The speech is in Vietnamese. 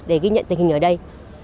để ghi nhận tình hình ở đây